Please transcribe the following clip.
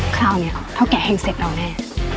คราวเนี้ยเขาแกะแห่งเสกเราแน่